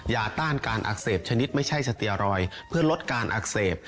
ต้านการอักเสบชนิดไม่ใช่สเตียรอยด์เพื่อลดการอักเสบ